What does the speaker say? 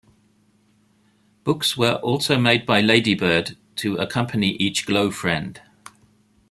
Books were also made by Ladybird to accompany each Glo Friend.